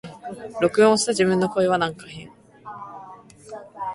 録音した自分の声はなんか変